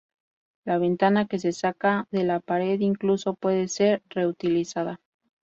La ventana que se saca de la pared incluso puede ser re-utilizada.